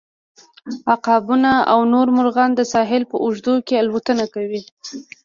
عقابونه او نور مرغان د ساحل په اوږدو کې الوتنه کوي